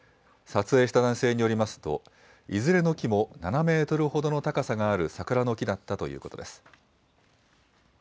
撮影した男性によりますと、いずれの木も７メートルほどの高さがある桜の木だったということです。